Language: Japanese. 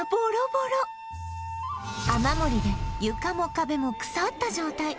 雨漏りで床も壁も腐った状態